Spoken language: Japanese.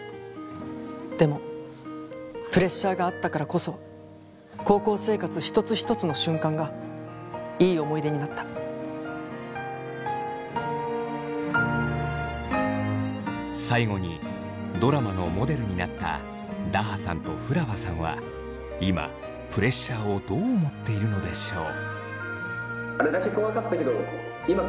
でもプレッシャーがあったからこそ高校生活一つ一つの瞬間がいい思い出になった最後にドラマのモデルになっただはさんとふらわさんは今プレッシャーをどう思っているのでしょう。